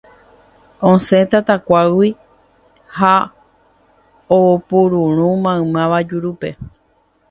Osẽ tatakuágui ha opururũ maymáva jurúpe.